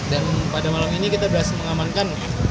dan pada malam ini kita berhasil mengamankan